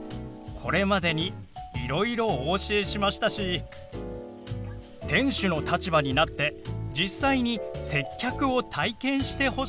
これまでにいろいろお教えしましたし店主の立場になって実際に接客を体験してほしかったんですよ。